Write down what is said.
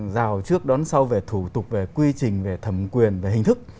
đó là đón sau về thủ tục về quy trình về thẩm quyền về hình thức